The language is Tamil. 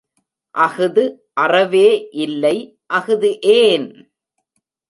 அஃது ஆறவே இல்லை அஃது ஏன்?